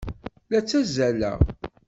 La ttazzaleɣ.